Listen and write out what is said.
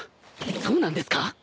そうなんですか？